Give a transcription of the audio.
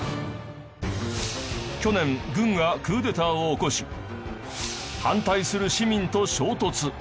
去年軍がクーデターを起こし反対する市民と衝突。